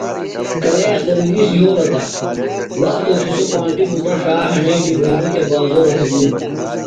کرے اختر دِیس یھولوۡ تہ وختہ اُتھیۡ سوۡ پانٹیۡ بُٹہ ݜا بہ ہݨے ڈِبئینی تھےۡ بازورہ تھےۡ گُوم۔